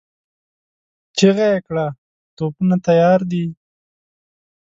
چيغه يې کړه! توپونه تيار دي؟